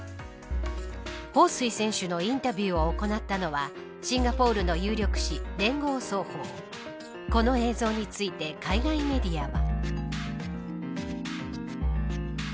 彭帥選手のインタビューを行ったのはシンガポールの有力紙聯合早報この映像について海外メディアは。